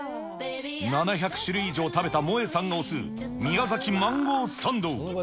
７００種類以上食べたモエさんの推す宮崎マンゴーサンド。